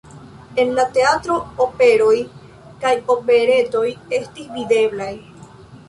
En la teatro operoj kaj operetoj estis videblaj.